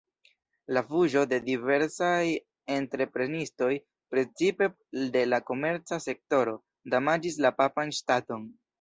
La fuĝo de diversaj entreprenistoj, precipe de la komerca sektoro, damaĝis la papan ŝtaton.